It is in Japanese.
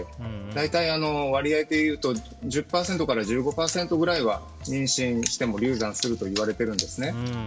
大体、割合でいうと１０％から１５％くらいは妊娠しても流産するといわれてるんですね。